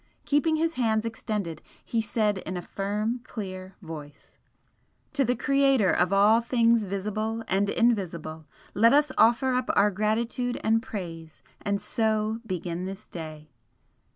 Keeping his hands extended, he said, in a firm, clear voice: "To the Creator of all things visible and invisible let us offer up our gratitude and praise, and so begin this day!"